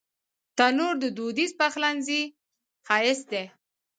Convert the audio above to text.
تنور د دودیز پخلنځي ښایست دی